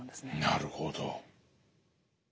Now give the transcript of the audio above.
なるほど。